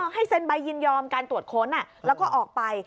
ให้เซ็นใบยินยอมการตรวจค้นแล้วก็ออกไป